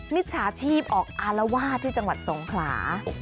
มิจฉาชีพออกอารวาสที่จังหวัดสงขลา